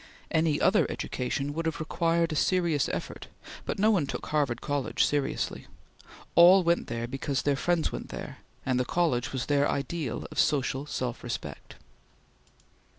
Any other education would have required a serious effort, but no one took Harvard College seriously. All went there because their friends went there, and the College was their ideal of social self respect.